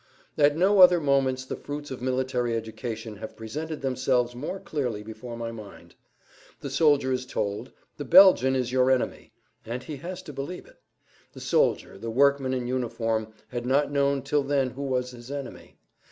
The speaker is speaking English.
At no other moments the fruits of military education have presented themselves more clearly before my mind. The soldier is told, "The Belgian is your enemy," and he has to believe it. The soldier, the workman in uniform, had not known till then who was his enemy.